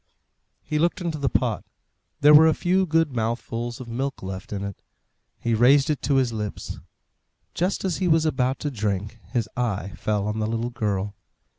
He looked into the pot. There were a few good mouthfuls of milk left in it; he raised it to his lips. Just as he was about to drink, his eye fell on the little girl.